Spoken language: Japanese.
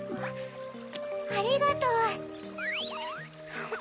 ありがとう。